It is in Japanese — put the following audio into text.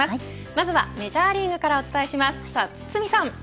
まずはメジャーリーグからお伝えします。